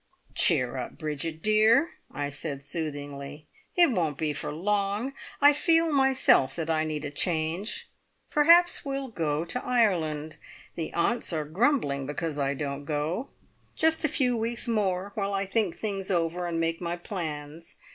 "Cheer up, Bridget dear," I said soothingly. "It won't be for long. I feel myself that I need a change. Perhaps we'll go to Ireland. The Aunts are grumbling because I don't go. Just a few weeks more, while I think things over and make my plans.